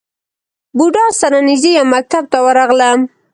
بودا سره نژدې یو مکتب ته ورغلم.